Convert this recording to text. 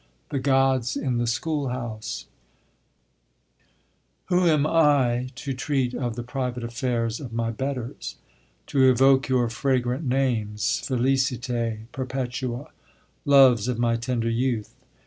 THE GODS IN THE SCHOOLHOUSE Who am I to treat of the private affairs of my betters, to evoke your fragrant names, Félicité, Perpetua, loves of my tender youth?